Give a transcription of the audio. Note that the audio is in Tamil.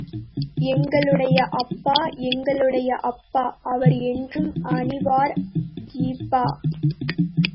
எங்களுடைய அப்பா எங்களுடைய அப்பா—அவர் என்றும் அணிவார் ஜிப்பா.